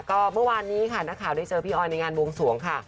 ก็เมื่อวานนี้ค่ะนักข่าวได้เจอพี่ออยในงานบวงสวงค่ะ